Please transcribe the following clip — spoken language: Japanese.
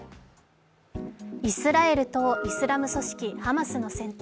イスラエルとイスラム組織ハマスの戦闘。